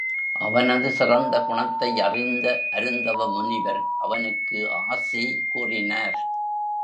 அவனது சிறந்த குணத்தை யறிந்த அருந்தவ முனிவர் அவனுக்கு ஆசி கூறினார்.